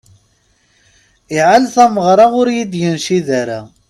Iɛel tameɣṛa ur iyi-d-yencid ara.